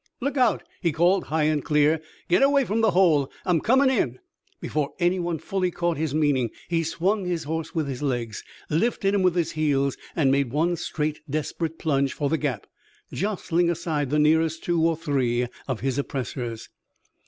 "Look out!" he called high and clear. "Get away from the hole! I'm comin' in!" Before anyone fully caught his meaning he swung his horse with his legs, lifted him with his heels and made one straight, desperate plunge for the gap, jostling aside the nearest two or three of his oppressors.